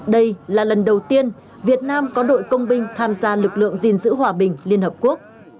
đây là lần đầu tiên việt nam có đội công binh tham gia lực lượng gìn giữ hòa bình liên hợp quốc